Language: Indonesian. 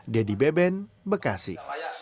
dedy beben bekasi